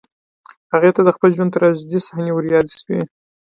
هغې ته د خپل ژوند تراژيدي صحنې وريادې شوې